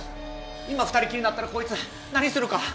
今二人っきりになったらこいつ何するか。